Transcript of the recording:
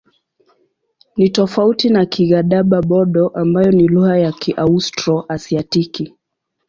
Ni tofauti na Kigadaba-Bodo ambayo ni lugha ya Kiaustro-Asiatiki.